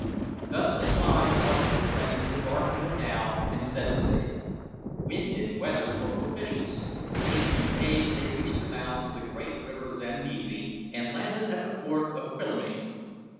Thus supplied, our two friends embarked in the dhow and set sail. Wind and weather were propitious. In few days they reached the mouths of the great river Zambesi, and landed at the port of Quillimane.